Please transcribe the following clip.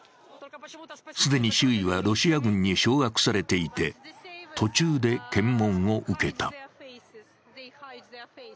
既に周囲はロシア軍に掌握されていて途中で検問を受けた。